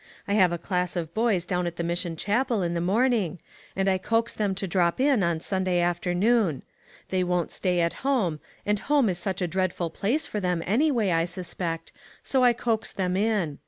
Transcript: I have a class of boys down at the Mission Chapel in the morning, and I coax them to drop in on Sunday afternoon. They won't stay at home, and home is such a dreadful place for them anyway, I suspect, so I coax them in.